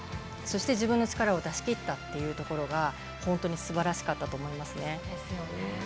そして自分の力をだし切ったというところが本当にすばらしかったと思いますね。